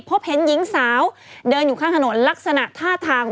พบเห็นหญิงสาวเดินผ่านถ้าทาง